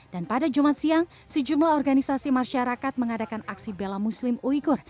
pada jumat siang sejumlah organisasi masyarakat mengadakan aksi bela muslim uykur